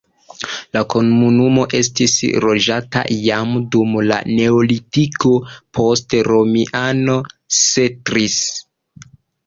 La komunumo estis loĝata jam dum la neolitiko, poste romianoj setlis.